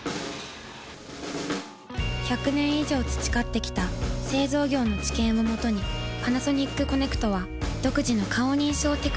１００年以上培ってきた製造業の知見をもとにパナソニックコネクトは独自の顔認証テクノロジーを開発。